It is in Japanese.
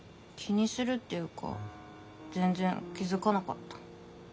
気にするっていうか全然気付かなかった。